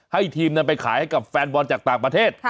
ให้ทีมนำไปขายให้กับแฟนบอลจากต่างประเทศ